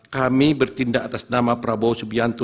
kami bertindak atas nama prabowo subianto